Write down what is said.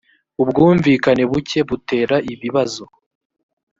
ubwumvikane buke butera ibibazo